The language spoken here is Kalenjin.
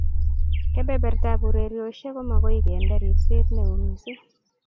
keberbertab urerioshek komakoi kendee ripset neoo mising